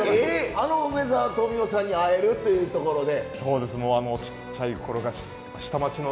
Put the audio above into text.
あの梅沢富美男さんに会えるっていうところで？